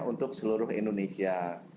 untuk seluruh indonesia